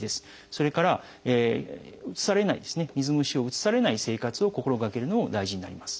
それから水虫をうつされない生活を心がけるのも大事になります。